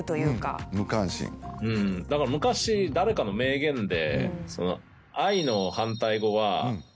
うんだから昔誰かの名言で。